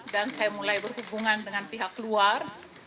dan saya mulai berhubungan dengan pihak luar